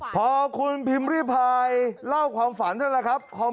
พอคุณพิมพ์ริพายเล่าความฝันเท่านั้นแหละครับ